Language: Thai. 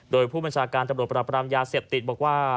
โดยผู้บัญชาการตำรวจปรับรามยาเสพติดบอกว่า